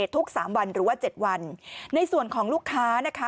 ทุก๓วันหรือว่า๗วันในส่วนของลูกค้านะคะ